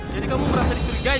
jadi kamu merasa dipergain